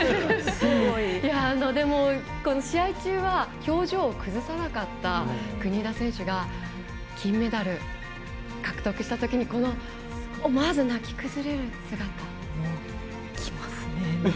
試合中は表情を崩さなかった国枝選手が金メダル獲得したときに思わず泣き崩れる姿、きますね。